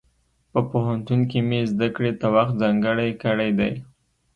په پوهنتون کې مې زده کړې ته وخت ځانګړی کړی دی.